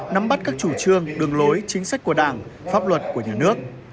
nắm bắt các chủ trương đường lối chính sách của đảng pháp luật của nhà nước